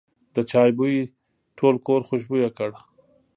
د چای بوی ټول کور خوشبویه کړ.